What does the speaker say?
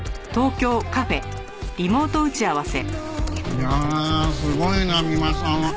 いやあすごいな三馬さんは。